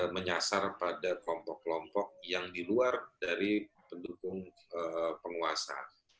menyasar pada kelompok kelompok yang di luar dari pendukung penguasa